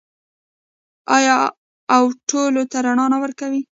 آیا او ټولو ته رڼا نه ورکوي؟